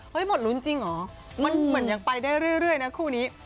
หมดลุ้นจริงเหรอมันเหมือนยังไปได้เรื่อยนะคู่นี้